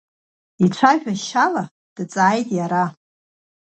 Ицәажәашьала дҵааит иара.